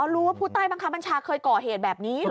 รู้ว่าผู้ใต้บังคับบัญชาเคยก่อเหตุแบบนี้